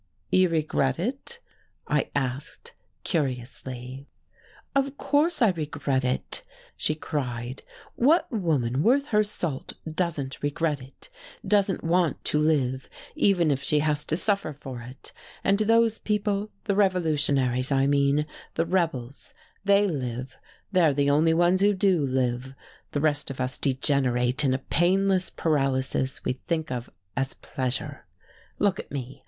"You regret it?" I asked curiously. "Of course I regret it!" she cried. "What woman worth her salt doesn't regret it, doesn't want to live, even if she has to suffer for it? And those people the revolutionaries, I mean, the rebels they live, they're the only ones who do live. The rest of us degenerate in a painless paralysis we think of as pleasure. Look at me!